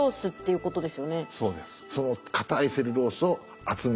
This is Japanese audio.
そうです。